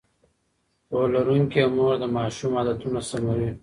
پوهه لرونکې مور د ماشوم عادتونه سموي.